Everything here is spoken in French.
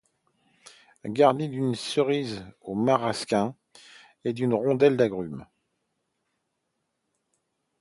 Garnir d'une cerise au marasquin et d'une rondelle d'agrume.